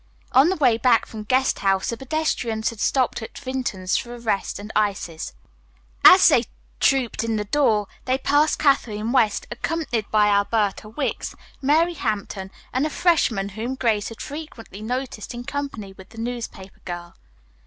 On the way back from Guest House the pedestrians had stopped at Vinton's for a rest and ices. As they trooped in the door, they passed Kathleen West, accompanied by Alberta Wicks, Mary Hampton, and a freshman whom Grace had frequently noticed in company with the newspaper girl.